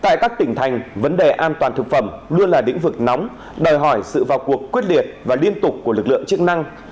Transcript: tại các tỉnh thành vấn đề an toàn thực phẩm luôn là lĩnh vực nóng đòi hỏi sự vào cuộc quyết liệt và liên tục của lực lượng chức năng